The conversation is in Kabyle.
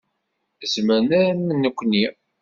Zemren am nekni.